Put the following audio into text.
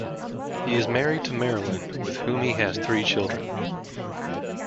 He is married to Marilyn, with whom he has three children.